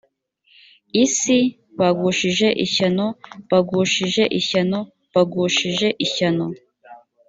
isi bagushije ishyano bagushije ishyano bagushije ishyano